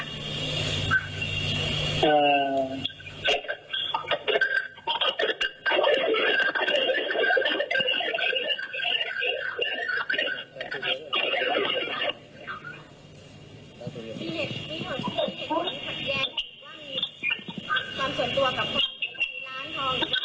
มีเห็ดนี่หรอที่มีแขกแยงหรือว่างมีค่ะความส่วนตัว